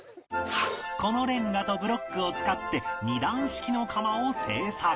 このレンガとブロックを使って２段式の窯を製作